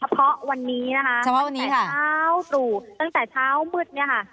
เพราะวันนี้นะคะตั้งแต่เช้าตรู่ตั้งแต่เช้ามืดเนี่ยค่ะ